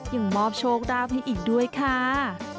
ยังมอบโชคราบให้อีกด้วยค่ะ